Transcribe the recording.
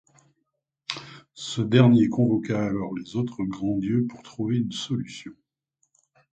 Ce dernier convoqua alors les autres grands dieux pour trouver une solution.